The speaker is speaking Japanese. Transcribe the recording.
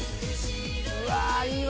うわいいわ！